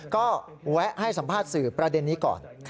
ก็แวะให้สัมภาษณ์สื่อประเด็นนี้ก่อน